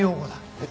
えっ？